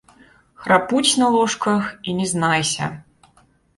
Храпуць на ложках, і не знайся.